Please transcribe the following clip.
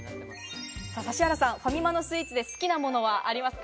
指原さん、ファミマのスイーツで好きなものはありますか？